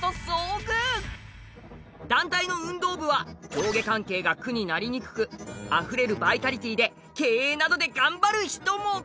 団体の運動部は上下関係が苦になりにくくあふれるバイタリティーで経営などで頑張る人も。